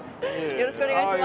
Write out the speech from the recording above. よろしくお願いします。